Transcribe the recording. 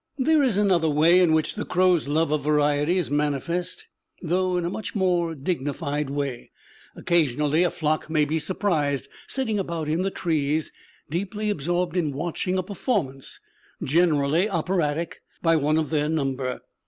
There is another way in which the crows' love of variety is manifest, though in a much more dignified way. Occasionally a flock may be surprised sitting about in the trees, deeply absorbed in watching a performance generally operatic by one of their number.